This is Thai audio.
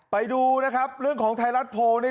ไปดูเรื่องของไทยรัฐโพล